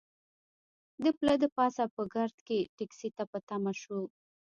د پله د پاسه په ګرد کې ټکسي ته په تمه شوو.